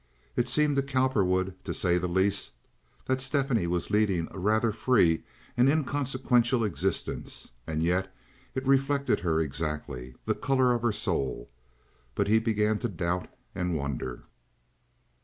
It seemed to Cowperwood, to say the least, that Stephanie was leading a rather free and inconsequential existence, and yet it reflected her exactly—the color of her soul. But he began to doubt and wonder.